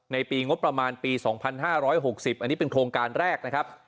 ปีงบประมาณปี๒๕๖๐อันนี้เป็นโครงการแรกนะครับ